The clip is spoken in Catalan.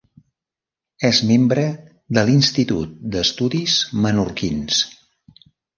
És membre de l'Institut d'Estudis Menorquins.